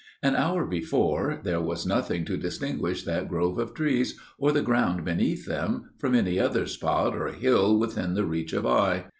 An hour before, there was nothing to distinguish that grove of trees, or the ground beneath them, from any other spot or hill within the reach of eye.